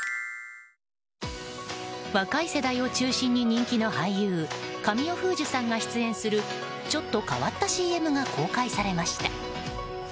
若い世代を中心に人気の俳優神尾楓珠さんが出演するちょっと変わったＣＭが公開されました。